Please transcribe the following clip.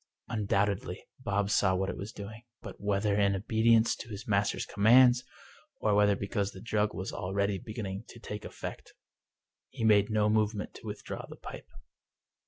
Undoubtedly Bob saw what it was doing; but, whether in obedience to his master's com mands, or whether because the drug was already beginning to take effect, he made no movement to withdraw the pipe.